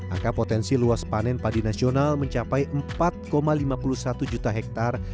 angka potensi luas panen padi nasional mencapai empat lima puluh satu juta hektare